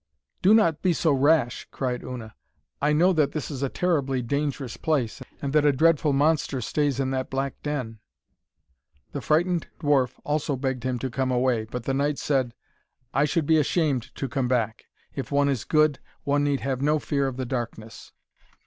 'Do not be so rash!' cried Una; 'I know that this is a terribly dangerous place, and that a dreadful monster stays in that black den!' The frightened dwarf also begged him to come away, but the knight said, 'I should be ashamed to come back. If one is good, one need have no fear of the darkness.'